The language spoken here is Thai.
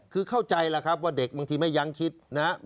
คือเข้าใจแล้วครับว่าเด็กบางทีไม่ยั้งคิดนะครับ